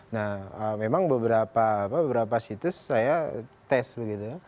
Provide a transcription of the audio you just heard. nah memang beberapa situs saya tes begitu ya